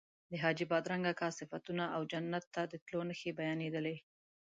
د حاجي بادرنګ اکا صفتونه او جنت ته د تلو نښې بیانېدلې.